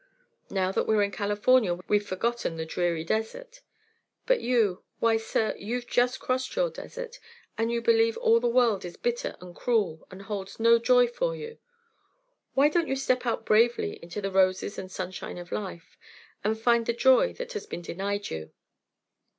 Now that we're in California we've forgotten the dreary desert. But you Why, sir, you've just crossed your desert, and you believe all the world is bitter and cruel and holds no joy for you! Why don't you step out bravely into the roses and sunshine of life, and find the joy that has been denied you?"